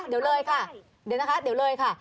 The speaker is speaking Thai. เดี๋ยวนะคะเดี๋ยวเลยค่ะ